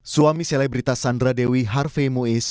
suami selebritas sandra dewi harvey muiz